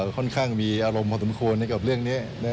ค่อนข้างมีอารมณ์พอสมควรกับเรื่องนี้